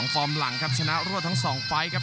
ฟอร์มหลังครับชนะรวดทั้ง๒ไฟล์ครับ